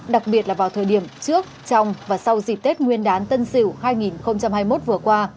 đặc biệt là vào thời điểm trước trong và sau dịp tết nguyên đán tân sửu hai nghìn hai mươi một vừa qua